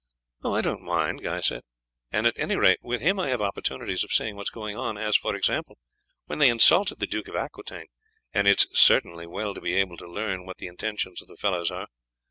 "I do not mind," Guy said; "and at any rate with him I have opportunities of seeing what is going on, as, for example, when they insulted the Duke of Aquitaine, and it is certainly well to be able to learn what the intentions of the fellows are.